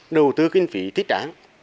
đầu tư kinh phí thích đáng